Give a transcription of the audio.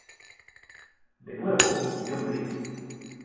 De nuevo, pidió morir.